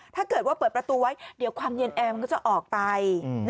ถ้าเกิดว่าเปิดประตูไว้เดี๋ยวความเย็นแอร์มันก็จะออกไป